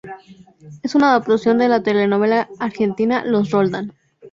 Es una adaptación de la telenovela argentina Los Roldán.